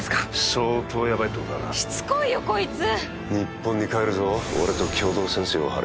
相当やばいってことだなしつこいよこいつ日本に帰るぞ俺と共同戦線を張れ